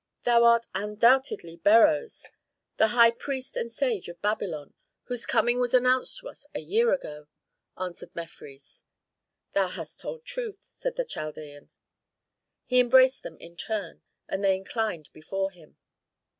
"Thou art undoubtedly Beroes, the high priest and sage of Babylon, whose coming was announced to us a year ago," answered Mefres. "Thou hast told truth," said the Chaldean. He embraced them in turn, and they inclined before him.